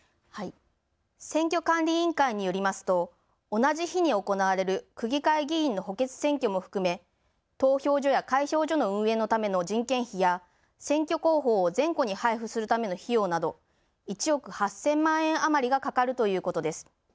選挙管理委員会によりますと同じ日に行われる区議会議員の補欠選挙も含め投票所や開票所の運営のための人件費や選挙公報を全戸に配布するための費用など１億８０００万円余りがかかるということです。